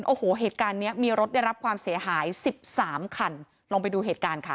โอ้โหเหตุการณ์เนี้ยมีรถได้รับความเสียหายสิบสามคันลองไปดูเหตุการณ์ค่ะ